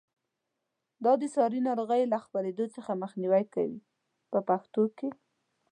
دا د ساري ناروغیو له خپرېدو څخه مخنیوی کوي په پښتو کې.